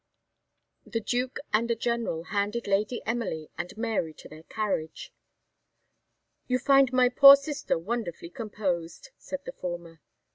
The Duke and the General handed Lady Emily and Mary to their carriage. "You find my poor sister wonderfully composed," said the former.